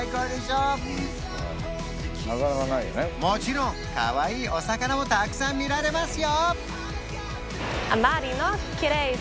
もちろんかわいいお魚もたくさん見られますよ